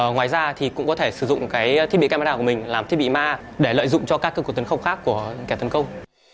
ngoài ra thì cũng có thể sử dụng cái thiết bị camera của mình làm thiết bị ma để lợi dụng cho các cuộc tấn công khác của kẻ tấn công